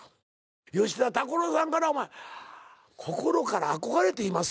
吉田拓郎さんから「心からあこがれています」